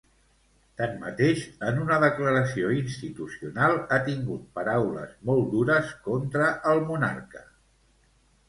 Tanmateix, en una declaració institucional ha tingut paraules molt dures contra el monarca.